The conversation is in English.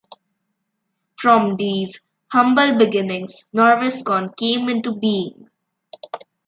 From these humble beginnings, Norwescon came into being.